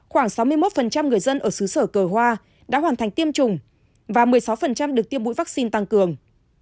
khoảng sáu mươi một người dân ở xứ sở cờ hoa đã hoàn thành tiêm chủng và một mươi sáu được tiêm mũi vaccine tăng cường